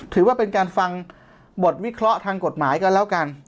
ถือว่าเป็นการฟังบทวิเคราะห์ทางกฎหมายกันแล้วกัน